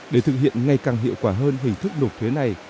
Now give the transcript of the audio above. để thực hiện ngày càng hiệu quả hơn hình thức nộp thuế này